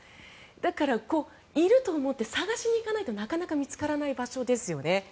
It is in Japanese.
だからいると思って探しに行かないとなかなか見つからない場所ですよね。